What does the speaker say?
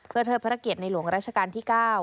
เพื่อเทิดพระเกียรติในหลวงราชการที่๙